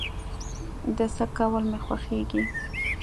د څه کول مې خوښيږي؟